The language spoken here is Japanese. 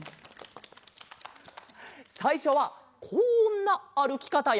さいしょはこんなあるきかたや。